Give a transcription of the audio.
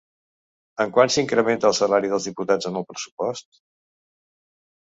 En quant s'incrementa el salari dels diputats en el pressupost?